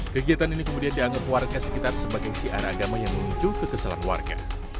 kegiatan ini kemudian dianggap warga sekitar sebagai siar agama yang memicu kekesalan warga